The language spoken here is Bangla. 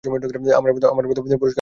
আমার মতো পুরুষকে খেপানো ঠিক না।